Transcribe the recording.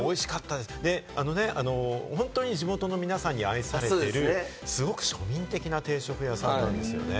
で、あのね、本当に地元の皆さんに愛されてる、すごく庶民的な定食屋さんなんですね。